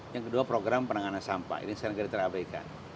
yang kedua program penanganan sampah ini seringkali terabaikan